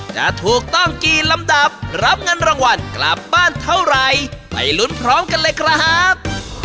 จะถูกต้องกี่ลำดับรับเงินรางวัลกลับบ้านเท่าไหร่ไปลุ้นพร้อมกันเลยครับ